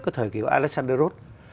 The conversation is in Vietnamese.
cái thời kỷ của alexander roth